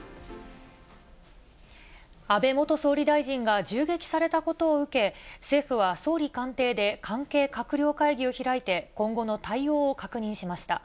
安倍元総理大臣が銃撃されたことを受け、政府は総理官邸で関係閣僚会議を開いて、今後の対応を確認しました。